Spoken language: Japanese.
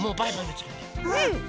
うん。